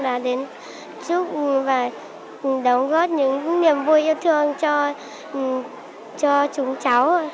đã đến giúp và đóng góp những niềm vui yêu thương cho chúng cháu